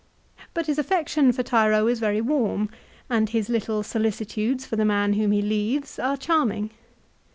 1 But his affection for Tiro is very warm, and his little solicitudes for the man whom he leaves are charming.